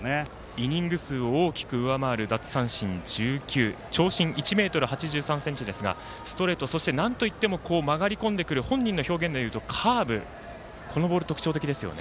イニング数を大きく上回る奪三振１９長身１ｍ８３ｃｍですがストレート、なんといっても曲がり込んでくる本人の表現で言うとカーブ、このボールが特徴的ですよね。